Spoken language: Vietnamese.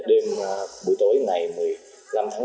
đêm buổi tối ngày một mươi năm tháng năm